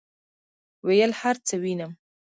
ویل هرڅه وینم،